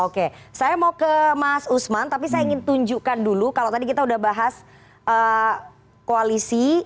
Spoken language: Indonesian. oke saya mau ke mas usman tapi saya ingin tunjukkan dulu kalau tadi kita sudah bahas koalisi